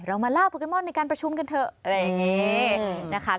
เรามาล่าโปเกมอนในการประชุมกันเถอะอะไรอย่างนี้นะคะ